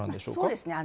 そうですね。